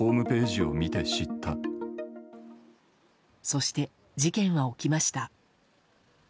そして事件は起きました。